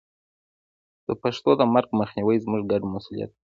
د پښتو د مرګ مخنیوی زموږ ګډ مسوولیت دی.